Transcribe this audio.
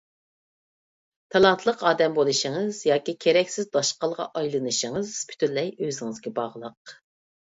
تالانتلىق ئادەم بولۇشىڭىز ياكى كېرەكسىز داشقالغا ئايلىنىشىڭىز پۈتۈنلەي ئۆزىڭىزگە باغلىق.